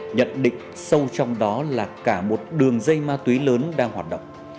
nhận định sâu trong đó là cả một đường dây ma túy lớn đang hoạt động